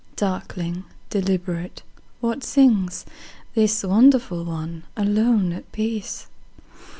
Darkling, deliberate, what singsThis wonderful one, alone, at peace?